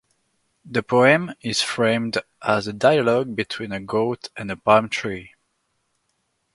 The poem is framed as a dialogue between a goat and a palm tree.